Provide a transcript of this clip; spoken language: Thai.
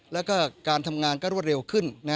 แล้วก็การทำงานก็รวดเร็วขึ้น